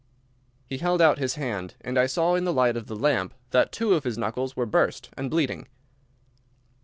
He held out his hand, and I saw in the light of the lamp that two of his knuckles were burst and bleeding.